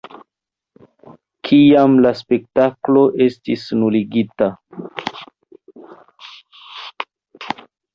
Kiam la spektaklo estis nuligita.